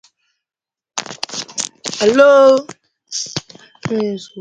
An estuary of Indian River is Palm Bay.